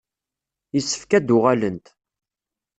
Yessefk ad d-uɣalent.